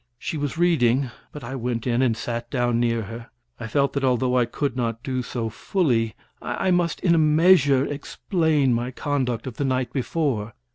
She was reading, but I went in and sat down near her. I felt that, although I could not do so fully, I must in a measure explain my conduct of the night before.